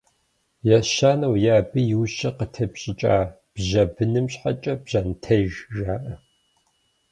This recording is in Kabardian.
Ещанэу е абы и ужькӏэ къытепщӏыкӏа бжьэ быным щхьэкӏэ «бжьэнтеж» жаӏэ.